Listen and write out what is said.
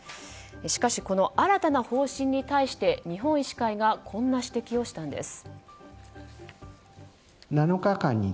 しかし新たな方針に対して日本医師会がこんな指摘をしたんです。